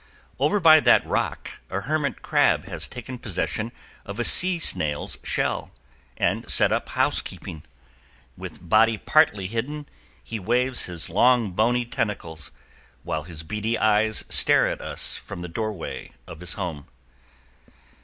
Over by that rock a hermit crab has taken possession of a sea snail's shell, and set up housekeeping; with body partly hidden he waves his long bony tentacles, while his beady eyes stare at us from the doorway of his home.